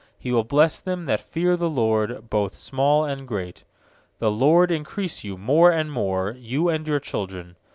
13He will bless them that fear the LORD, Both small and great. I4The LORD increase you more and more, You and your children.